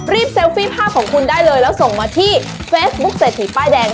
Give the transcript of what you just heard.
เซลฟี่ภาพของคุณได้เลยแล้วส่งมาที่เฟซบุ๊คเศรษฐีป้ายแดง